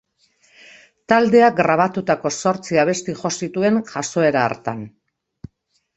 Taldeak grabatutako zortzi abesti jo zituen jazoera hartan.